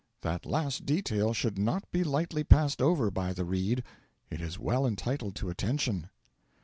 That last detail should not be lightly passed over by the reader; it is well entitled to attention.